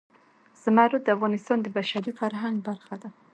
زمرد د افغانستان د بشري فرهنګ برخه ده.